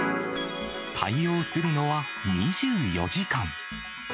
対応するのは２４時間。